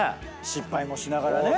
失敗もしながらね。